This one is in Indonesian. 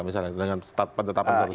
misalnya dengan penetapan status cegah ini